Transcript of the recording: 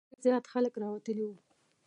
ډېر زیات خلک راوتلي وو.